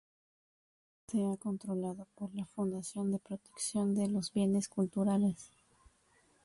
Se ha controlado por la fundación de Protección de los Bienes Culturales.